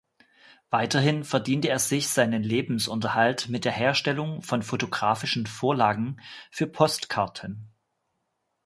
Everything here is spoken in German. Weiterhin verdiente er sich seinen Lebensunterhalt mit der Herstellung von fotografischen Vorlagen für Postkarten.